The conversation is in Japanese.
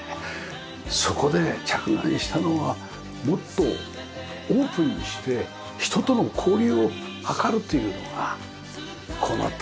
そこで着眼したのはもっとオープンにして人との交流を図るというのがこの建物の基の考えだったんですね。